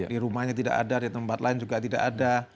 di rumahnya tidak ada di tempat lain juga tidak ada